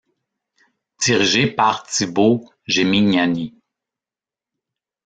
Dirigé par Thibaut Gemignani.